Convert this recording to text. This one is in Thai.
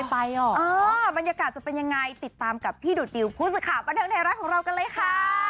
พึ่งไปอ๋อบรรยากาศจะเป็นยังไงติดตามกับพี่ดูดดิวผู้ศึกขาบประดังไทยรัฐของเรากันเลยค่ะ